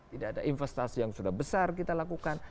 tidak ada investasi yang sudah besar kita lakukan